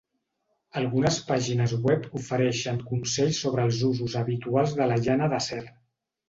Algunes pàgines web ofereixen consells sobre els usos habituals de la llana d'acer.